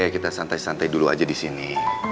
kita santai santai dulu aja di sini